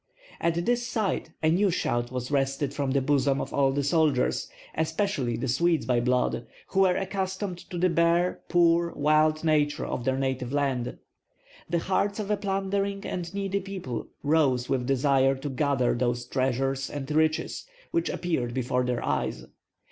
At this sight a new shout was wrested from the bosoms of all the soldiers, especially the Swedes by blood, who were accustomed to the bare, poor, wild nature of their native land. The hearts of a plundering and needy people rose with desire to gather those treasures and riches which appeared before their eyes.